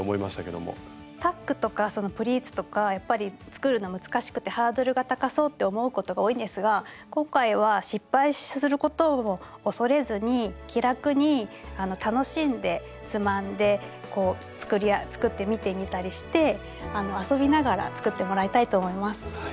タックとかプリーツとかやっぱり作るの難しくてハードルが高そうって思うことが多いんですが今回は失敗することを恐れずに気楽に楽しんでつまんでこう作ってみてみたりして遊びながら作ってもらいたいと思います。